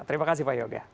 terima kasih pak yoga